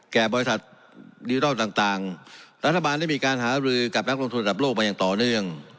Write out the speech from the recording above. แก่บริษัทดิจิทัลต่างรัฐบาลได้มีการหารือกับนักลงทุนระดับโลกมาอย่างต่อเนื่อง